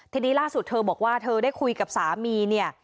ทีนี้ล่าสุดเธอบอกว่าเธอได้คุยกับสามีเนี่ย